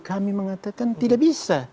kami mengatakan tidak bisa